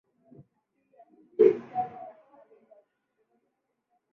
Asili ya neno muziki liko katika lugha ya Kigiriki